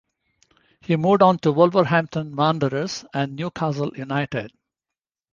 He moved on to Wolverhampton Wanderers and Newcastle United.